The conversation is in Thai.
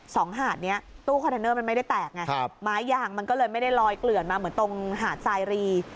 หาดนี้ตู้คอนเทนเนอร์มันไม่ได้แตกไงครับไม้ยางมันก็เลยไม่ได้ลอยเกลื่อนมาเหมือนตรงหาดสายรี